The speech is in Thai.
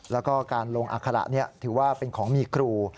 แล้วก็การลงอัคระถือว่าเป็นของมีครู